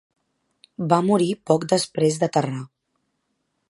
Va morir poc desprès d'aterrar.